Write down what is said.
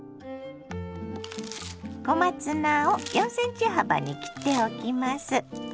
小松菜を４ｃｍ幅に切っておきます。